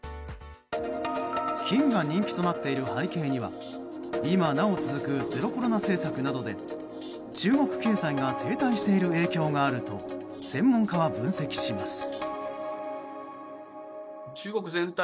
金が人気となっている背景には今なお続くゼロコロナ政策などで中国経済が停滞している影響があると専門家は分析します。